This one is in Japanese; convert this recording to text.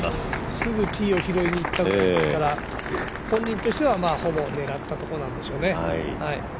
すぐキーを拾いに行っていましたから本人としてはほぼ狙ったところなんでしょうね。